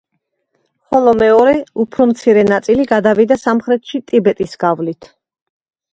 ხოლო მეორე, უფრო მცირე ნაწილი გადავიდა სამხრეთში, ტიბეტის გავლით.